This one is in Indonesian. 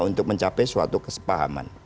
untuk mencapai suatu kesepahaman